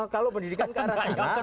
kalau pendidikan ke arah sana